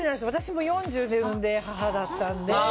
私も４０で産んで、母だったので。